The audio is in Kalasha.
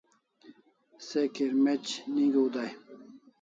Se kirmec'nigiu dai